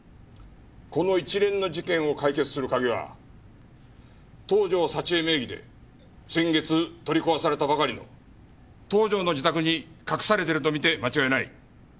この一連の事件を解決する鍵は東条沙知絵名義で先月取り壊されたばかりの東条の自宅に隠されてると見て間違いない。